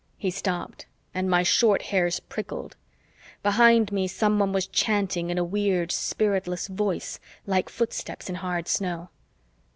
He stopped and my short hairs prickled. Behind me, someone was chanting in a weird spiritless voice, like footsteps in hard snow.